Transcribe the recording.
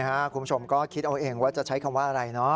คุณผู้ชมก็คิดเอาเองว่าจะใช้คำว่าอะไรเนาะ